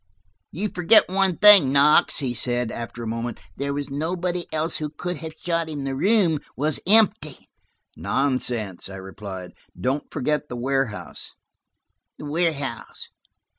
"You forget one thing, Knox," he said, after a moment. "There was nobody else who could have shot him: the room was empty." "Nonsense," I replied. "Don't forget the warehouse." "The warehouse!"